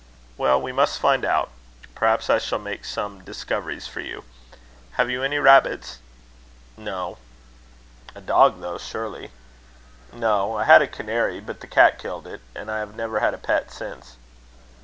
"Well, we must find out. Perhaps I shall make some discoveries for you. Have you any rabbits?" "No." "A dog though, surely?" "No. I had a canary, but the cat killed it, and I have never had a pet since."